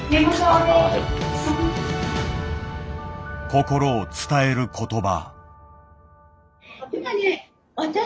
心を伝える言葉。